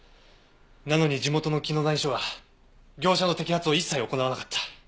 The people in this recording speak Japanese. なのに地元の紀野谷署は業者の摘発を一切行わなかった。